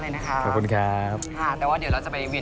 จริงก็อนุโมทาลามนท์นะครับแฟนราการด้วย